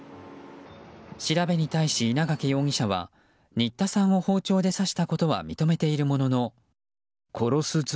調べに対し、稲掛容疑者は新田さんを包丁で刺したことは認めているものの。